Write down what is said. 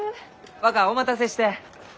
若お待たせして。